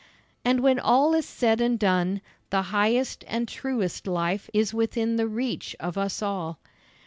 And when all is said and done, the highest and truest life is within the reach of us all.